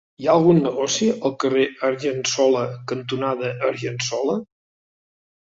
Hi ha algun negoci al carrer Argensola cantonada Argensola?